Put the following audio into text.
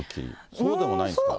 そうでもないんですか。